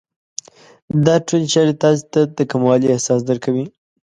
دا ټولې چارې تاسې ته د کموالي احساس درکوي.